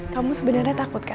kamu sebenernya takut kan